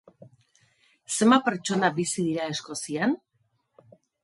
Zenbat pertsona bizi dira Eskozian?